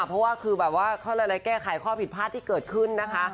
เพราะว่าคือแบบว่าเขาอะไรแก้ไขข้อผิดพลาดที่เกิดขึ้นนะคะ